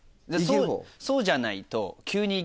そうじゃないと。